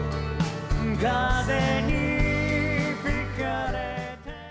「風に吹かれて」